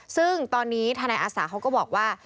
ซึ่งตอนนี้ทนายอาสาเขาก็บอกว่า